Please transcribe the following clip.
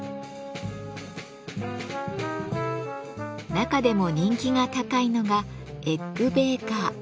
中でも人気が高いのが「エッグ・ベーカー」。